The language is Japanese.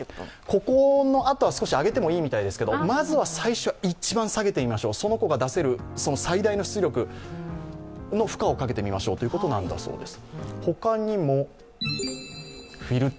ここのあとは少し上げてもいいみたいですけど、まずは最初、一番下げてみましょうその子が出せる最大の出力の負荷かけてみましょうということだそうです。